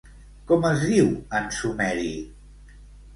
Com es diu en sumeri?